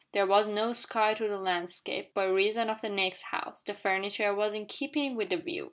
There was no sky to the landscape, by reason of the next house. The furniture was in keeping with the view.